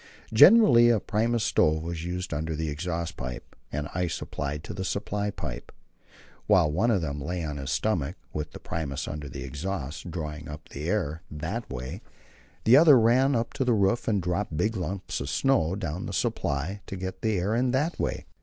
Generally a Primus stove was used under the exhaust pipe, and ice applied to the supply pipe. While one of them lay on his stomach with the Primus under the exhaust, drawing the air up that way, the other ran up to the roof and dropped big lumps of snow down the supply to get the air in that way.